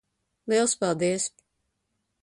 Liels paldies.